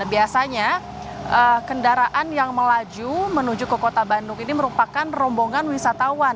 biasanya kendaraan yang melaju menuju ke kota bandung ini merupakan rombongan wisatawan